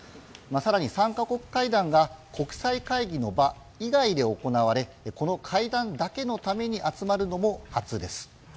更に３か国会談が国際会議の場以外で行われこの会談だけのために集まるのも初です。